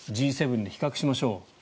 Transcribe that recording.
Ｇ７で比較しましょう。